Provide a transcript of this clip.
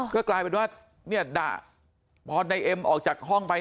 ก็กลายเป็นว่าเนี่ยด่าพอนายเอ็มออกจากห้องไป